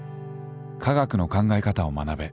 科学の考え方を学べ。